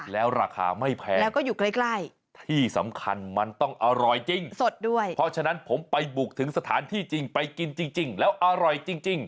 แล้วราคาไม่แพงที่สำคัญมันต้องอร่อยจริงพอฉะนั้นผมไปบุกถึงสถานที่จริงไปกินจริงแล้วอร่อยจริง